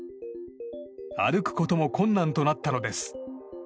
歩くことも困難となったのです。